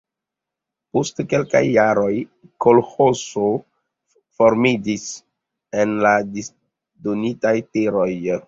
Post kelkaj jaroj kolĥozo formiĝis en la disdonitaj terenoj.